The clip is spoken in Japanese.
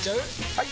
・はい！